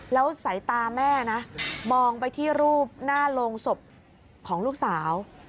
แล้วสายตาแม่นะมองไปที่รูปหน้าโรงศพของลูกสาว